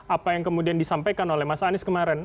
apa yang kemudian disampaikan oleh mas anies kemarin